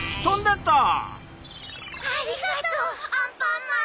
ありがとうアンパンマン。